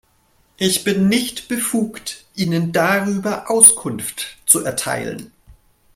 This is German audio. Ich bin nicht befugt, Ihnen darüber Auskunft zu erteilen.